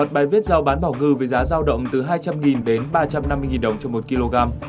một bài viết giao bán bảo ngư với giá giao động từ hai trăm linh đến ba trăm năm mươi đồng trên một kg